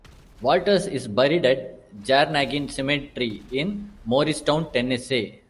Walters is buried at Jarrnagin Cemetery in Morristown, Tennessee.